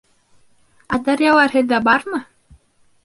Ә дарьялар һеҙҙә бармы?